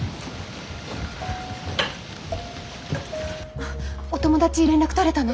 あっお友達連絡取れたの？